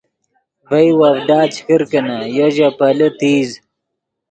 ڤئے وڤڈا چے کرکینے یو ژے پیلے تیز